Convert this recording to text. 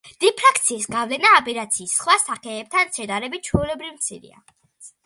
დიფრაქციის გავლენა, აბერაციის სხვა სახეებთან შედარებით, ჩვეულებრივ მცირეა.